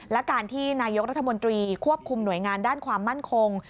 และการที่นายกรัฐมนตรีควบคุมหน่วยงานด้านความมั่นคง